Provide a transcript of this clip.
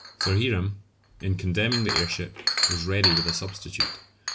Sir Hiram in condemning the airship was ready with a substitute.